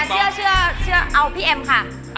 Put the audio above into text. เชื่อเอาพี่เอ็มค่ะ